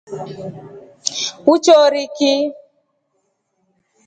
Uchori ki?